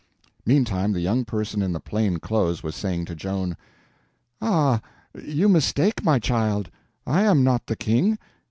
Meantime the young person in the plain clothes was saying to Joan: "Ah, you mistake, my child, I am not the King.